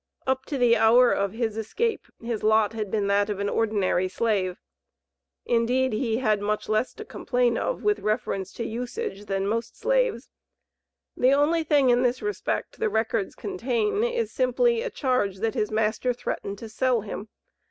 Up to the hour of his escape, his lot had been that of an ordinary slave. Indeed, he had much less to complain of with reference to usage than most slaves; the only thing in this respect the records contain, is simply a charge, that his master threatened to sell him.